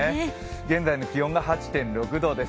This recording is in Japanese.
現在の気温が８．６度です。